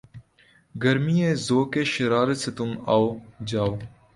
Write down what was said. گرمیِ ذوقِ شرارت سے تُم آؤ جاؤ